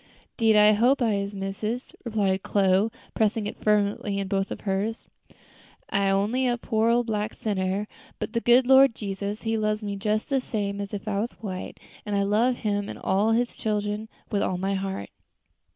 "'Deed I hope I is, missus," replied Chloe, pressing it fervently in both of hers. "I's only a poor old black sinner, but de good Lord Jesus, He loves me jes de same as if I was white, an' I love Him an' all His chillen with all my heart."